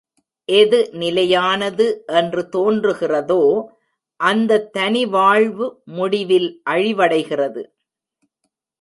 எது நிலையானது என்று தோன்றுகிறதோ, அந்தத தனி வாழ்வு முடிவில் அழிவடைகிறது.